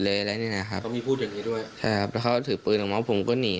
เลยแม่ครับเขาถือปืนแล้วกูหนี